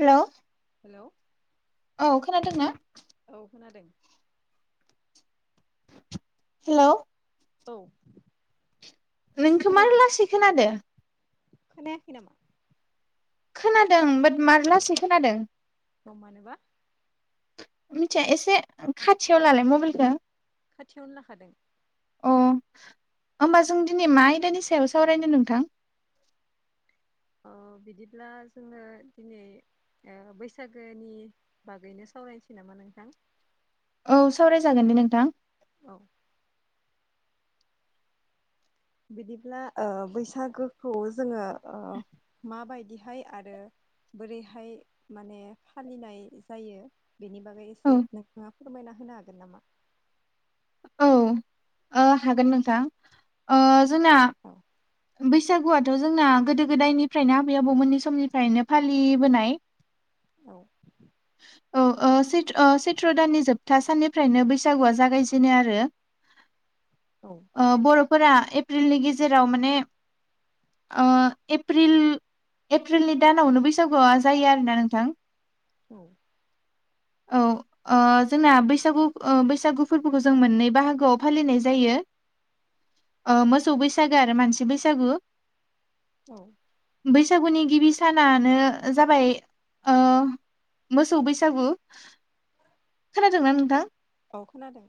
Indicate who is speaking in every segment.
Speaker 1: Hello
Speaker 2: hello
Speaker 1: औ खोनादोंना
Speaker 2: औ खोनादों
Speaker 1: हेलौ
Speaker 2: औ
Speaker 1: नोंखौ मार लासैखोनादों
Speaker 2: खोनायाखै नामा?
Speaker 1: खोनादों बट मार लासै खोनादों
Speaker 2: ह मानोबा
Speaker 1: मिथिया एसे खाथियाव लालाय मबाइलखौ
Speaker 2: खाथियावनो लाखादों
Speaker 1: अ
Speaker 2: ओ बिदिब्ला जोङो दिनै ओ बैसागोनि बागैनो सावरायनोसै नामा नोंथां
Speaker 1: औ सावरायजागोन दे नोंथां
Speaker 2: औ बिदिब्ला ओ बैसागोखौ जोङो ओ माबायदिहाय आरो बोरैहाय माने फालिनाय जायो बेनि बागै
Speaker 1: औ
Speaker 2: एसे नोंथाङा फोरमायना होनो हागोन नामा
Speaker 1: औ ओ हागोन नोंथां ओ जोंना
Speaker 2: औ
Speaker 1: बैसागुआ दाथ' जोंना गोदो गोदायनिफ्रायनो आबै आबौमोननि समनिफ्रायनो फालिबोनाय
Speaker 2: औ
Speaker 1: औ ओ चैत्र ओ चैत्र दाननि जोबथा साननिफ्रायनो बैसागुवआ जागायजे जेनो आरो
Speaker 2: औ
Speaker 1: ओ बर'फोरा एप्रिलनि गेजेराव माने ओ एप्रिल एप्रिलनि दानावनो बैसागुआ जायो आरोना नोंथां
Speaker 2: औ
Speaker 1: औ ओ जोंना बैसागु ओ बैसागु फोरबोखौ जों मोननै बाहागोआव फालिनाय जायो ओ मोसौ बैसागो आरो मानसि बैसागु
Speaker 2: औ
Speaker 1: बैसागुनि गिबि सानानो जाबाय ओ मोसौ बैसागु
Speaker 2: [inaudible]
Speaker 1: खोनादों ना नोंथां
Speaker 2: औ खोनादों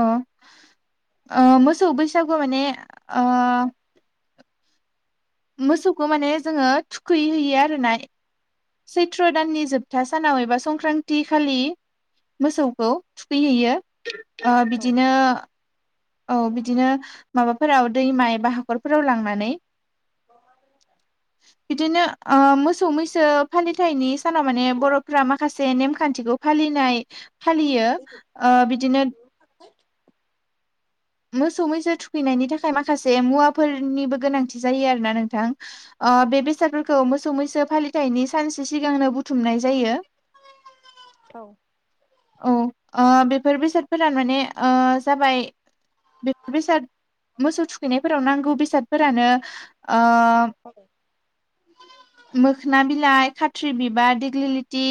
Speaker 1: अ ओ मोसौ बैसागुआ माने ओ मोसौखौ माने जोङो थुखैहैयो आरोना सैत्र' दाननि जोबथा सानाव एबा संक्रान्ति खालि मोसौखौ थुखैहैयो ओ
Speaker 2: औ
Speaker 1: बिदिनो औ बिदिनो माबाफोराव दैमा एबा हाखरफोराव लांनानै
Speaker 2: [unintelligible]
Speaker 1: [inaudible] बिदिनो ओ मोसौ मैसो फालिथायनि सानाव माने बर'फ्रा माखासे नेमखान्थिखौ फालिनाय फालियो ओ बिदिनो मोसौ मैसो थुखैनायनि थाखाय माखासे मुवाफोरनिबो गोनांथि जायो आरो ना नोंथां ओ बे बेसादफोरखौ मोसौ मैसो फालिथायनि सानसे सिगांनो बुथुमनाय जायो
Speaker 2: औ
Speaker 1: औ ओ बेफोर बेसादफोरा माने ओ जाबाय बेफोर बेसाद मोसौ थुखैनायफोराव नांगौ बेसादफोरानो ओ
Speaker 2: औ।
Speaker 1: मोखोना बिलाइ खाथ्रि बिबार देग्लिलिथि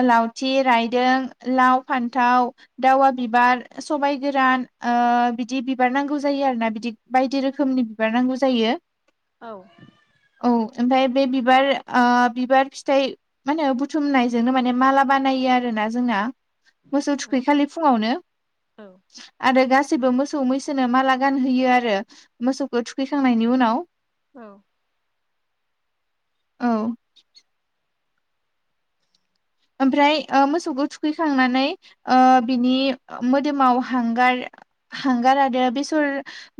Speaker 1: ओ लावथि रायदों लाव फान्थाव दावा बिबार सबाइ गोरान ओ बिदि बिबार नांगौ जायो आरोना बिदि बायदि रोखोमनि बिबार नांगौ जायो
Speaker 2: औ
Speaker 1: औ ओमफ्राय बे बिबार ओ बिबार फिथाइ मा होनो बुथुमनायजोंनो माने माला बानायो आरोना जोंना मोसौ
Speaker 2: औ
Speaker 1: थुखैखालि फुङावनो
Speaker 2: औ
Speaker 1: आरो गासैबो मोसौ मैसोनो माला गानहोयो आरो मोसौखौ थुखैखांनायनि उनाव
Speaker 2: औ।
Speaker 1: औ। ओमफ्राय ओ मोसौखौ थुखैखांनानै ओ बिनि मोदोमाव हांगार हांगार आरो बेसर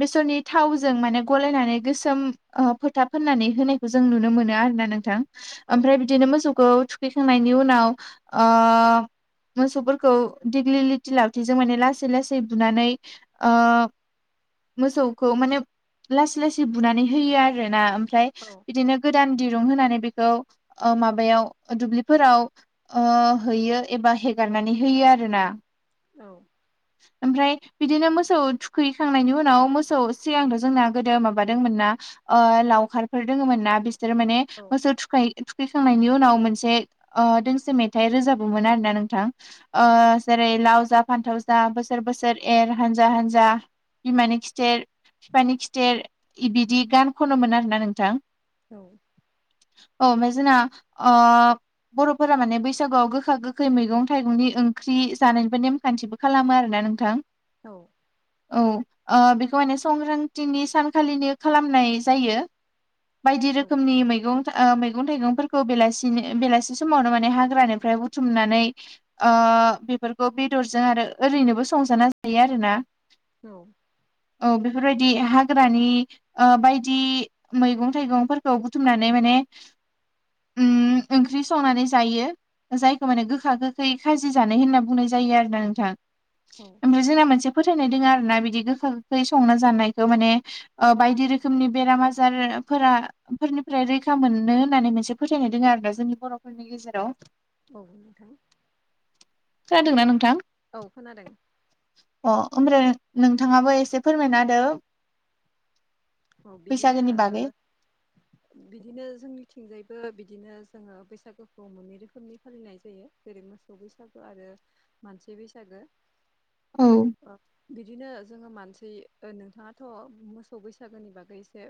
Speaker 1: बेसरनि थावजों माने गलायनानै गोसोम ओ फोथा फोननानै होनायखौ जों नुनो मोनो आरोना नोंथां। ओमफ्राय
Speaker 2: औ
Speaker 1: बिदिनो मोसौखौ थुखैखांनायनि उनाव ओ मोसौफोरखौ दिग्लिलिथि लावथिजों माने लासै लासै बुनानै ओ मोसौखौ माने लासै लासै बुनानै होयो आरोना ओम फ्राय
Speaker 2: औ
Speaker 1: बिदिनो गोदान दिरुं होनानै बेखौ ओ माबायाव दुब्लिफोराव ओ हैयो एबा हेगारनानै होयो आरोना।
Speaker 2: औ।
Speaker 1: ओमफ्राय बिदिनो मोसौ थुखैखांनायनि उनाव मोसौ सिगांथ' जोंना गोदो माबादोंमोन ना। ओ लावखारफोर दोङोमोन ना बिसोर माने
Speaker 2: औ
Speaker 1: मोसौ थुखै थुखांनायनि उनाव मोनसे ओ दोंसे मेथाइ रोजाबोमोन आरोना नोंथां। ओ जेरै लाव जा फान्थाव जा बोसोर बोसोर एर हानजा हानजा बिमानि खिथेर बिफानि खिथेर इबिदि गान खनोमोन आरोना नोंथां।
Speaker 2: औ।
Speaker 1: औ ओमफाय जोंना ओ बर'फोरा माने बैसागुआव गोखा गोखै मैगं थाइगंनि ओंख्रि जानायबो नेमखान्थिबो खालामो आरोना नोंथां।
Speaker 2: औ।
Speaker 1: औ ओ बेखौहायनो संक्रान्तिनि सानखालिनि खालामनाय जायो। बायदि रोखोमनि मैग था ओ मैगं थाइगंफोर खौ बेलासिनि बेलासि समावनो माने हाग्रानिफ्राय बुथुमनानै बेफोरखौ बेदरजों आरो ओरैनोबो संजाना जायो आरोना।
Speaker 2: औ।
Speaker 1: औ बेफोरबायदि हाग्रानि ओ बायदि मैगं थाइगंफोरखौ बुथुमनानै माने उम ओंख्रि संनानै जायो। जायखौ माने गोखा गोखै खाजि जानाय होनना बुंनाय जायो आरोना नोंथां।
Speaker 2: नोंथां
Speaker 1: ओमफ्राय जोंना मोनसे फोथायनाय दोङो आरोना बिदि गोखा गोखै संना जानायखौ माने ओ बायदि रोखोमनि बेराम आजारफोरा फोरनिफ्राय रैखा मोननो होननानै मोनसे फोथायनाय दङ आरोना जोंनि बर'फोरनि गेजेराव।
Speaker 2: औ नोंथां।
Speaker 1: खोनादोंना नोंथां।
Speaker 2: औ खोनादों।
Speaker 1: अ' ओमफ्राय नोंथाङाबो एसे फोरमायना होदो।
Speaker 2: औ बिदिनो
Speaker 1: बैसागोनि
Speaker 2: ओ
Speaker 1: बागै [unintelligible]
Speaker 2: बिदिनो जोंनिथिंजायबो बिदिनो जोङो बैसागुखौ मोननै रोखोमनि फालिनाय जायो। जेरै मोसौ बैसागो आरो मानसि बैसागो
Speaker 1: औ
Speaker 2: ओ बिदिनो जोङो मानसि ओ नोंथाङाथ' मोसौ बैस बैसागोनि बागै एसे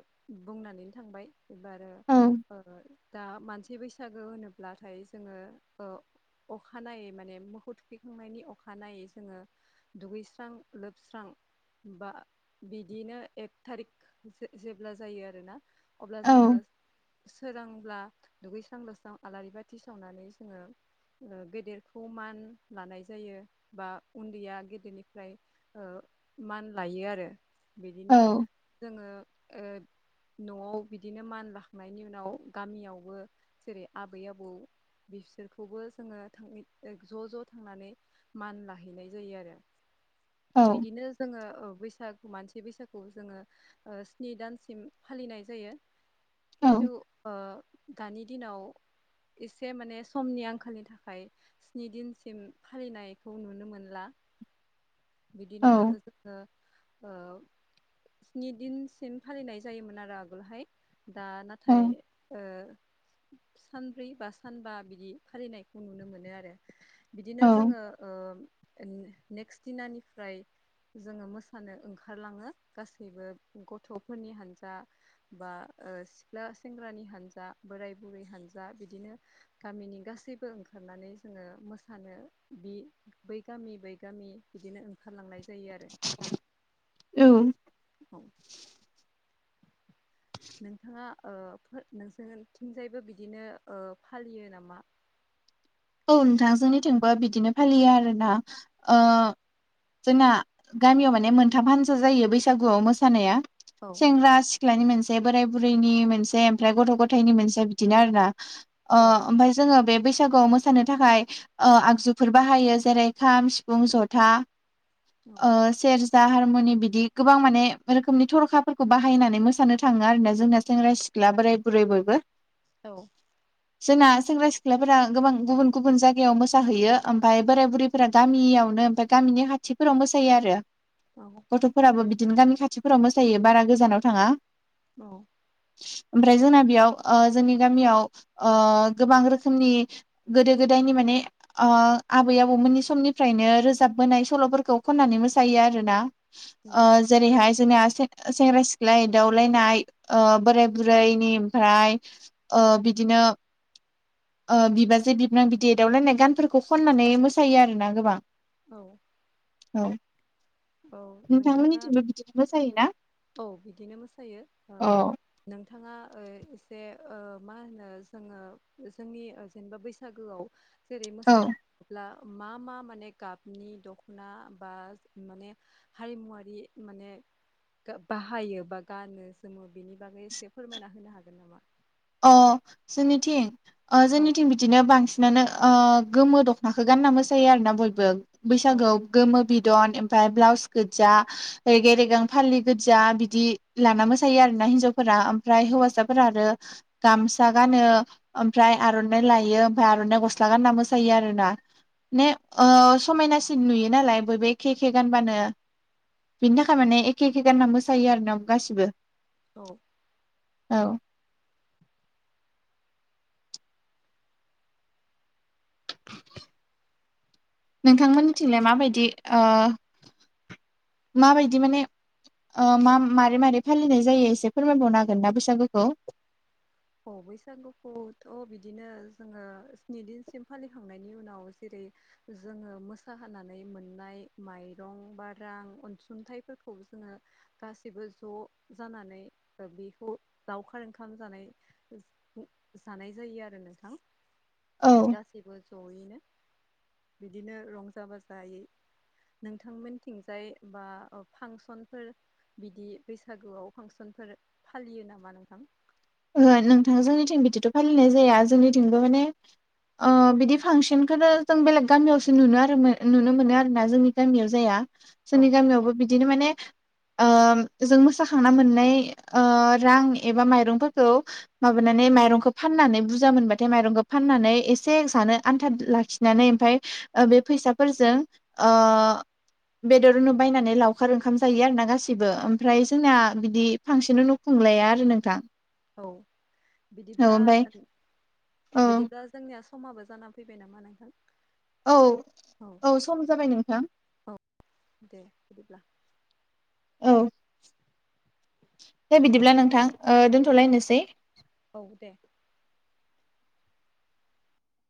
Speaker 2: बुंनानैनो थांबाय एबारओ
Speaker 1: औ
Speaker 2: दा मानसि बैस बैसागु होनोब्लाथाय जोङो ओ अखानायै माने मोखौ थुखैखांनायनि अखानायै जोङो दुगैस्रां लोबस्रां बा बिदिनो एक थारिक जे-जेब्ला जायो आरोना अब्ला
Speaker 1: औ
Speaker 2: जोङो सोरांब्ला दुगैस्रां लोस्रां आलारि बाथि सावनानै जोङो ओ गेदेरखौ मान लानाय जायो बा उन्दैया गेदेरनिफ्राय ओ मान लायो आरो
Speaker 1: औ
Speaker 2: बिदिनो जोङो ओ न'आव बिदिनो मान लाखांनायनि उनाव गामियावबो जेरै आबै आबौ बिसोरखौबो जोङो थांङै ज' ज' थांनानै मान लाहैनाय जायो आरो।
Speaker 1: औ
Speaker 2: बिदिनो जोङो ओ बैसागु मानसि बैसागु जोङो ओ स्नि दानसिम फालिनाय जायो
Speaker 1: औ
Speaker 2: खिन्थु ओ दानि दिनाव एसे माने समनि आंखालनि थाखाय स्नि दिनसिम फालिनायखौ नुनो मोनला। बिदिनो
Speaker 1: औ
Speaker 2: जोङो ओ स्नि दिनसिम फालिनाय जायोमोन आरो आगोलहाय दा
Speaker 1: औ
Speaker 2: नाथाय ओ सानब्रै बा सानबा बिदि फालिनायखौ नुनो मोनो आरो। बिदिनो
Speaker 1: औ
Speaker 2: जोङो ओ नेक्स्ट दिनानिफ्राय जोङो मोसानो ओंखारलाङो गासैबो गथ'फोरनि हानजा बा ओ सिख्ला सेंग्रानि हानजा बोराय बुरै हानजा बिदिनो गामिनि गासैबो ओंखारनानै जोङो मोसानो बि बै गामि बै गामि बिदिनो ओंखारलांनाय जायो आरो
Speaker 1: औ
Speaker 2: औ।
Speaker 1: [inaudible]
Speaker 2: नोंथाङा ओ फो नोंसोरथिंजायबो बिदिनो ओ‌ फालियो नामा?
Speaker 1: औ नोंथां जोंनिथिंबो बिदिनो फालियो आरोना ओ जोंना गामियाव माने मोनथाम हानसो जायो बैसागुआव मोसानाया
Speaker 2: औ
Speaker 1: सेंग्रा सि ख्लानि मोनसे, बोराय बुरैनि मोनसे, ओमफ्राय गथ' गथायनि मोनसे बिदिनो आरोना ओ
Speaker 2: औ
Speaker 1: ओमफ्राय जोङो बे बैसागुआव मो सानो थाखाय ओ आगजुफोर बाहायो जेरै खाम, सिफुं, जथा
Speaker 2: औ
Speaker 1: ओ सेरजा हारमुनि बिदि गोबां माने रोखोमनि थरखाफोरखौ बाहायनानै मोसानो थाङो आरोना जोंना सेंग्रा - सि ख्ला बोराइ - बुरै बयबो
Speaker 2: औ।
Speaker 1: जोंना सेंग्रा - सिख्लाफोरा गोबां गुबुन - गुबुन जायगायाव मोसाहैयो ओमफाय बोराइ - बुरैफोरा गामियावनो ओमफाय गामिनि खाथि फोराव मोसायो आरो
Speaker 2: औ।
Speaker 1: गथ'फोराबो बिदिनो गामि खाथिफोराव मोसायो बारा गोजानाव थाङा।
Speaker 2: औ।
Speaker 1: ओमफ्राय जोंना बेयाव ओ जोंनि गामियाव ओ गोबां रोखोमनि गोदो गोदायनि माने ओ आबै-आबौमोननि समनिफ्रायनो रोजाबबोनाय सल'फोरखौ खननानै मोसायो आरोना
Speaker 2: औ
Speaker 1: ओ जेरैहाय जोंनिया से-सेंग्रा सिख्ला एदावलायनाय ओ बोराइ बुरैनि ओमफ्राय ओ बिदिनो ओ बिबाजै-बिबोनां बिदि एदावलायनाय गानफोरखौ खननानै मोसायो आरोना गोबां
Speaker 2: औ
Speaker 1: औ
Speaker 2: औ
Speaker 1: नोंथां
Speaker 2: नोंथाङा
Speaker 1: मोननिथिंबो बिदिनो मोसायो ना?
Speaker 2: औ बिदिनो मोसायो ओ नोंथाङा ओ एसे ओ मा होनो जोङो जोंनि ओ जेनेबा बैसागोआव जेरै
Speaker 1: औ
Speaker 2: मोसानो थाङोब्ला मा मा माने गाबनि दख'ना बा माने हारिमुवारि माने बाहायो बा गानो जोमो बेनि बागै एसे फोरमायना होनो हागोन नामा।
Speaker 1: अ' जोंनिथिं ओ‌‌
Speaker 2: औ
Speaker 1: जोंनिथिं बिदिनो बांसिनानो ओ गोमो दख'नाखौ गानना मोसायो आरोना बयबो
Speaker 2: औ
Speaker 1: बैसागोआव गोमो बिदन ओमफ्राय ब्लाउस गोज्जा रेगे - रेगां फालि गोजा बिदि लाना मोसायो आरोना हिन्जावफोरा ओमफ्राय
Speaker 2: औ
Speaker 1: हौवासाफोरा आरो गामसा गानो ओमफ्राय आर'नाइ लायो ओमफ्राय आर'नाइ गस्ला गानना मोसायो आरोना माने ओ समायनासिन नुयो नालाय बयबो एखे एखे गानबानो बिनि थाखाय माने एखे एखे गानना मोसायो आरोना गासिबो।
Speaker 2: औ
Speaker 1: औ [inaudible] नोंथां मोननिथिंलाय माबायदि ओ माबायदि माने ओ मा मारै मारै फालिनाय जायो एसे फोरमायबावनो हागोन ना बैसागुखौ?
Speaker 2: अ बैसागुखौथ' बिदिनो जोङो स्नि दिनसिम फालिखांनायनि उनाव जेरै- जोङो मोसाहोनानै मोननाय माइरं बा रां अनसुंथाइफोरखौ जोङो गासिबो ज' जानानै बेखौ लावखार ओंखाम जानाय जानाय जायो आरो नोंथां
Speaker 1: औ
Speaker 2: गासैबो ज'यैनो। बिदिनो रंजा-बाजायै नोंथां मोनथिंजाय बा ओ फांसनफोर बिदि बैसागुआव फांसनफोर फालियो नामा नोंथां?
Speaker 1: ओहो नोंथां जोंनिथिं बिदिथ' फालिनाय जाया जोंनिथिंबो माने ओ बिदि फांसनखौथ' जों बेलेग गामियावसो नुनो आरो नुनो मोनो आरोना। जोंनि गामियाव जाया
Speaker 2: औ
Speaker 1: जोंनि गामियावबो बिदिनो माने ओ जों मोसाखांना मोननाय रां एबा माइरंफोरखौ माबानानै माइरंखौ फाननानै बुरजा मोनबाथाय माइरंखौ फाननानै एसे जानो आन्था लाखिनानै ओमफाय ओ बे फैसाफोरजों ओ बेदरनो बायनानै लावखार ओंखाम जायो आरो ना गासिबो ओमफ्राय जोंना बिदि फांसन खोनो खुंलाया आरो नोंथां।
Speaker 2: औ
Speaker 1: औ
Speaker 2: बिदिब्ला
Speaker 1: ओमफ्राय औ
Speaker 2: बिदिब्ला जोंनिया समाबो जाना फैबाय नामा नोंथां?
Speaker 1: औ औ सम जाबाय नोंथां।
Speaker 2: औ दे बिदिब्ला।
Speaker 1: औ दे बिदिब्ला नोंथां दोनथ'लायनोसै।
Speaker 2: औ दे।